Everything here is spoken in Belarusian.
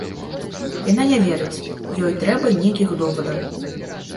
Яна не верыць, ёй трэба нейкіх довадаў!